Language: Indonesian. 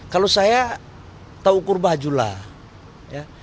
kalau saya tau ukur baju lah